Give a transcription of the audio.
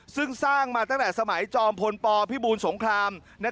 ซึ่งสร้างมาตั้งแต่สมัยจอมพลปพิบูลสงคราม